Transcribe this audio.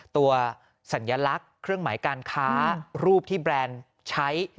สัญลักษณ์เครื่องหมายการค้ารูปที่แบรนด์ใช้